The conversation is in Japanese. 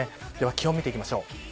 気温を見ていきましょう。